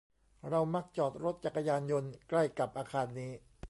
เรามักจอดรถจักรยานยนต์ใกล้กับอาคารนี้